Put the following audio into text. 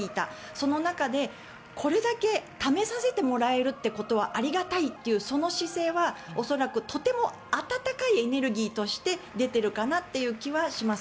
その中で、これだけ試させてもらえるということはありがたいっていうその姿勢は恐らくとても温かいエネルギーとして出ているかなという気はします。